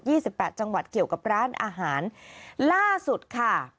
ี่สิบแปดจังหวัดเกี่ยวกับร้านอาหารล่าสุดค่ะ